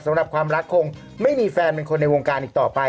สำหรับความรักคงไม่มีแฟนเป็นคนในวงการอีกต่อไป